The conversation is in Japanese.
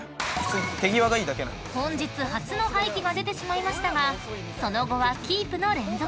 ［本日初の廃棄が出てしまいましたがその後はキープの連続］